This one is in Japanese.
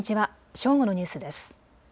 正午のニュースです。